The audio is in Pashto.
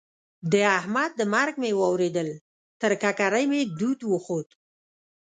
د احمد د مرګ مې واورېدل؛ تر ککرۍ مې دود وخوت.